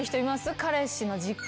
彼氏の実家。